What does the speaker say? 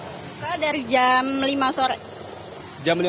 buka dari jam lima sore